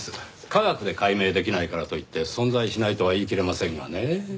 科学で解明できないからといって存在しないとは言いきれませんがねぇ。